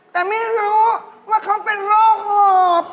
แต่ไม่รู้ว่าเขาเป็นโรคหอบ